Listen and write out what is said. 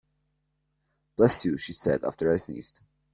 Bless you she said, after I sneezed.